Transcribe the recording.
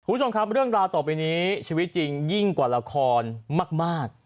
คุณผู้ชมครับเรื่องราวต่อไปนี้ชีวิตจริงยิ่งกว่าละครมาก